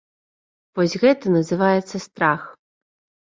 Вось гэта называецца страх.